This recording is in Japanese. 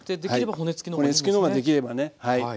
骨付きの方ができればねはい。